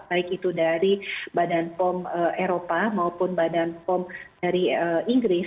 baik itu dari badan pom eropa maupun badan pom dari inggris